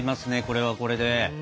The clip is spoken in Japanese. これはこれで。